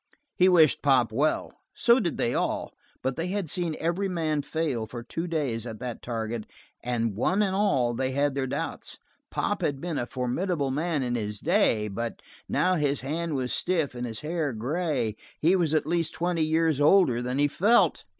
He wished Pop well. So did they all, but they had seen every man fail for two days at that target and one and all they had their doubts. Pop had been a formidable man in his day, but now his hand was stiff and his hair gray. He was at least twenty years older than he felt.